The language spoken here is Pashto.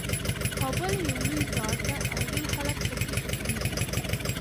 کابل یو لوی ښار ده او ډېر خلک پکې اوسیږي